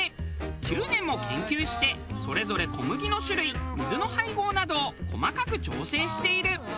９年も研究してそれぞれ小麦の種類水の配合などを細かく調整している。